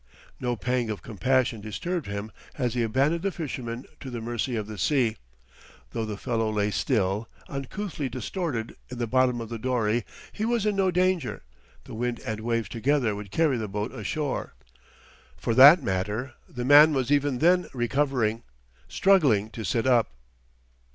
No pang of compassion disturbed him as he abandoned the fisherman to the mercy of the sea; though the fellow lay still, uncouthly distorted, in the bottom of the dory, he was in no danger; the wind and waves together would carry the boat ashore.... For that matter, the man was even then recovering, struggling to sit up.